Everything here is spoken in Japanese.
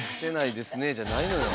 じゃないのよ。